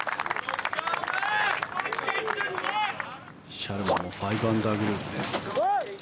シャルマも５アンダーグループです。